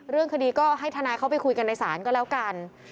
เรื่องคดีก็ให้ทนายเข้าไปคุยกันในศาลก็แล้วกัน